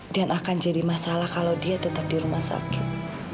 dan akan jadi masalah kalau dia tetap di rumah sakit